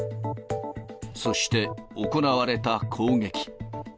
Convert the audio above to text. そして、行われた攻撃。